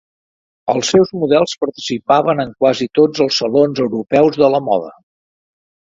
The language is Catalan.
Els seus models participaven en quasi tots els Salons europeus de la moda.